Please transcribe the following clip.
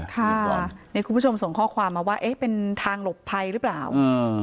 ค่ะนี่คุณผู้ชมส่งข้อความมาว่าเอ๊ะเป็นทางหลบภัยหรือเปล่าอืม